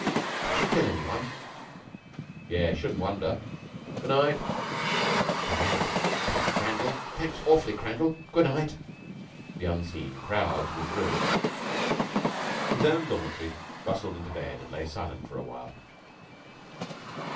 "Did you kill any one?" "Yes. Shouldn't wonder. Good night." "Good night. Thank you, Crandall. Thanks awf'ly, Crandall. Good night." The unseen crowds withdrew. His own dormitory rustled into bed and lay silent for a while.